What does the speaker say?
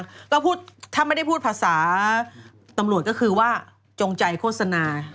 ก็พูดถ้าไม่ได้พูดภาษาตำรวจก็คือว่าจงใจโฆษณา